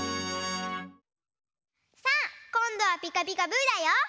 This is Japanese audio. さあこんどは「ピカピカブ！」だよ。